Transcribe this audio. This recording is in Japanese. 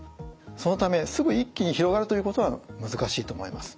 そのためすぐ一気に広がるということは難しいと思います。